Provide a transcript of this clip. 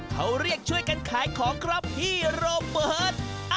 เขาเรียกช่วยการขายของที่เมนโรเบิร์ต